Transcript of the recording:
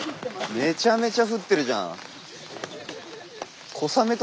めちゃめちゃ降ってるじゃん。